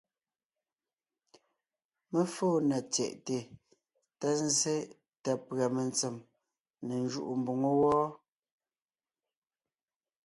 Mé fóo na tsyɛ̀ʼte ta zsé ta pʉ̀a metsem ne njúʼu mboŋó wɔ́,